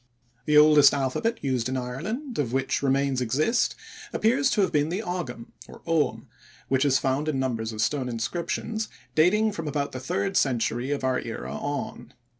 The oldest alphabet used in Ireland of which remains exist appears to have been the Ogam, which is found in numbers of stone inscriptions dating from about the third century of our era on.